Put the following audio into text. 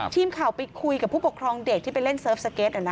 ทีมข่าวไปคุยกับผู้ปกครองเด็กที่ไปเล่นเสิร์ฟสเก็ต